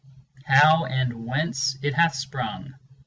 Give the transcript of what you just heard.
How and whence it hath sprung?